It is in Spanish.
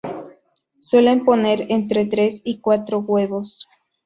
Suelen poner entre tres y cuatro huevos.